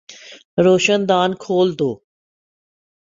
روشن دان کھول دو